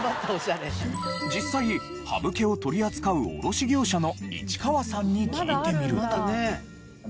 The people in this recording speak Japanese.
実際ハブ毛を取り扱う卸業者の市川さんに聞いてみると。